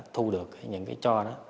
thu được những cái cho đó